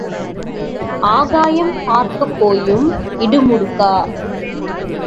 ஆகாயம் பார்க்கப் போயும் இடுமுடுக்கா?